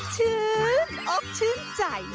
ชื่นอกชื่นใจ